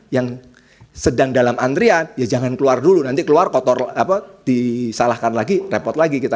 yang sedang dalam antrian ya jangan keluar dulu nanti keluar kotor apa disalahkan lagi repot lagi kita